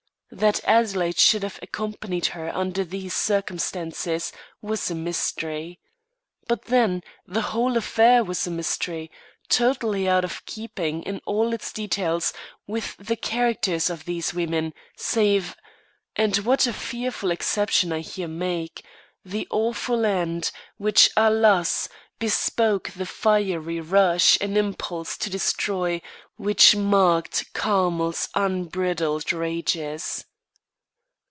That Adelaide should have accompanied her under these circumstances was a mystery. But then the whole affair was a mystery, totally out of keeping, in all its details, with the characters of these women, save and what a fearful exception I here make the awful end, which, alas! bespoke the fiery rush and impulse to destroy which marked Carmel's unbridled rages.